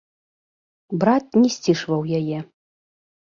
Брат не сцішваў яе.